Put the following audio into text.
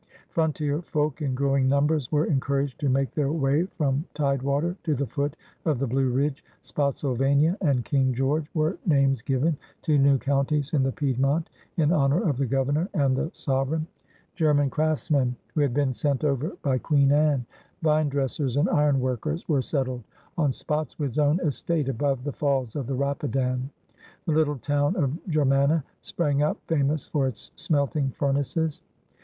Frontier folk in growing numbers were en coiuraged to make their way from tidewater to the foot of the Blue Ridge. Spotsylvania and King George were names given to new counties in the Piedmont in honor of the Governor and the sover eign. German craftsmen, who had been sent over by Queen Anne — ^vine dressers and ironworkers — were settled on Spotswood's own estate above the falls of the Rapidan« The little town of Germanna sprang up, famous for its smelting furnaces.